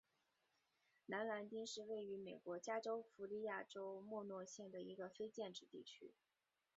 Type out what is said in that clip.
南兰丁是位于美国加利福尼亚州莫诺县的一个非建制地区。